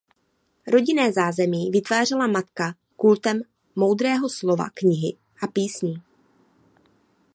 Rodinné zázemí vytvářela matka kultem moudrého slova knihy a písní.